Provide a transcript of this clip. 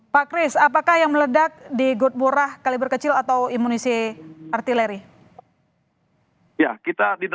pak kris apakah yang meledak di good murah kaliber kecil atau imunisasi artileri